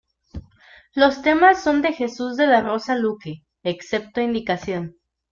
Los temas son de Jesús de la Rosa Luque, excepto indicación.